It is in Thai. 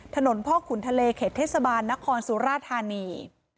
ถนนพ่อขุนทะเลเขตเทศบาลนครสุราธานี